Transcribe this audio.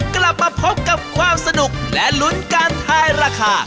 กลับมาพบกับความสนุกและลุ้นการทายราคา